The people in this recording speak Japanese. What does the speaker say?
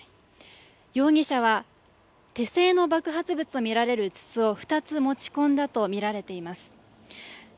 容疑者は手製の爆発物とみられる筒を２つ持ち込んだとみられています。